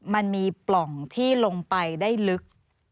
มันมีปล่องที่ลงไปได้ลึก